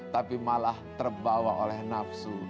tapi malah terbawa oleh nafsu